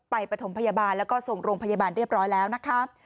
ปฐมพยาบาลแล้วก็ส่งโรงพยาบาลเรียบร้อยแล้วนะคะ